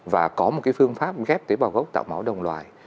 và có một cái phương pháp ghép tế bào gốc tạo máu đồng loài